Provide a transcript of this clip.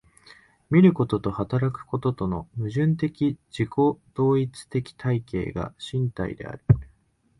見ることと働くこととの矛盾的自己同一的体系が身体である。